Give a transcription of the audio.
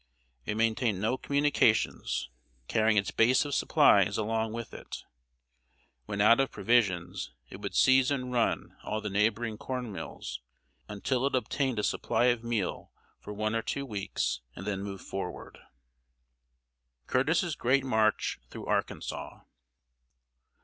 It maintained no communications, carrying its base of supplies along with it. When out of provisions, it would seize and run all the neighboring corn mills, until it obtained a supply of meal for one or two weeks, and then move forward. [Sidenote: CURTIS'S GREAT MARCH THROUGH ARKANSAS.